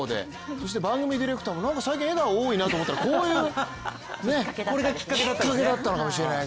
そして番組ディレクターも最近笑顔が多いなと思ったらこういうこれがきっかけだったんですね。